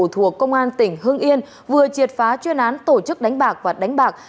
thuộc công an tỉnh hưng yên vừa triệt phá chuyên án tổ chức đánh bạc và đánh bạc